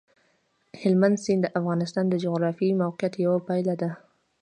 هلمند سیند د افغانستان د جغرافیایي موقیعت یوه پایله ده.